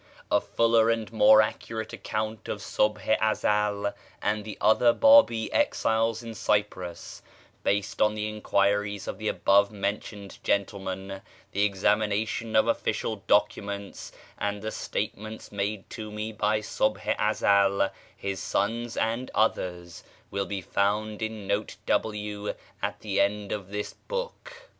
A fuller and more accurate account of Subh i Ezel and the other Bábí exiles in Cyprus, based on the enquiries of the above mentioned gentlemen, the examination of official documents, and the statements made to me by Subh i Ezel, his sons, and others, will be found in Note W at the end of this book.